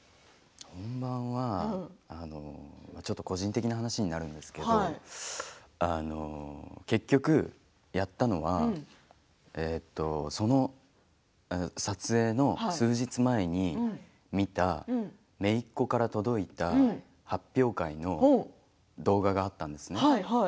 本番は、ちょっと個人的な話になるんですけど結局、やったのはその撮影の数日前に見ためいっ子から届いた発表会の動画があったんですね。